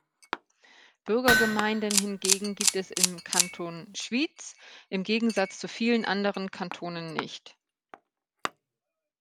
Bürgergemeinden hingegen gibt es im Kanton Schwyz, im Gegensatz zu vielen anderen Kantonen, nicht.